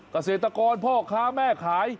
เกษตรกรพ่อค้าแม่ขาย